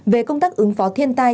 về công tác ứng phó thiên tai